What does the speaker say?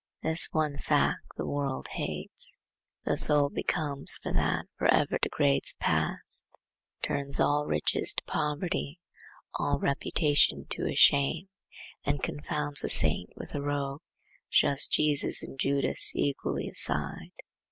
This one fact the world hates; that the soul becomes; for that for ever degrades the past, turns all riches to poverty, all reputation to a shame, confounds the saint with the rogue, shoves Jesus and Judas equally aside.